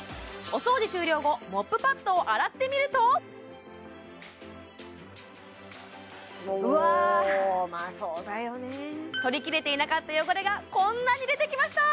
お掃除終了後モップパッドを洗ってみるとうわおまあそうだよね取り切れていなかった汚れがこんなに出てきました